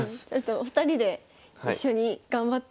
お二人で一緒に頑張って。